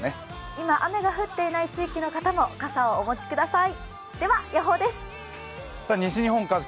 今雨が降っていない地域の方も傘をお持ちください。